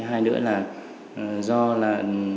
thứ hai nữa là do là